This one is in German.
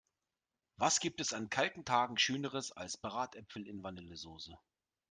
Was gibt es an kalten Tagen schöneres als Bratäpfel in Vanillesoße!